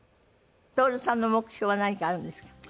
徹さんの目標は何かあるんですか？